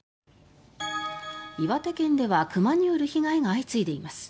岩手県では熊による被害が相次いでいます。